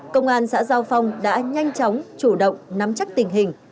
công an xã giao phong đã nhanh chóng chủ động nắm chắc tình hình